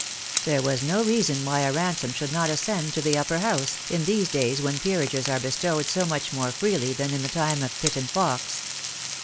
There was no reason why a Ransome should not ascend to the Upper House, in these days when peerages are bestowed so much more freely than in the time of Pitt and Fox.